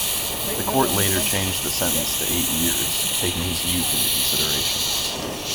The court later changed the sentence to eight years, taking his youth into consideration.